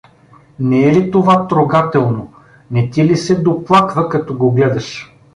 Не е ли това трогателно, не ти ли се доплаква, като го гледаш?